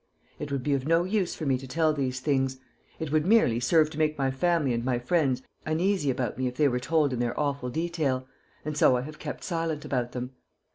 It would be of no use for me to tell these things. It would merely serve to make my family and my friends uneasy about me if they were told in their awful detail, and so I have kept silent about them.